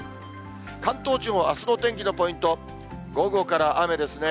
関東地方、あすのお天気のポイント、午後から雨ですね。